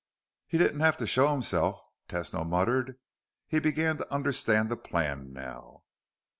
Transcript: "He didn't have to show himself," Tesno muttered. He began to understand the plan now.